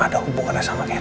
ada hubungan sama catherine